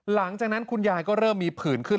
หลังจากนั้นคุณยายก็เริ่มมีผื่นขึ้น